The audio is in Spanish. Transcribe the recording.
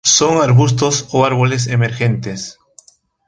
Son arbustos o árboles emergentes.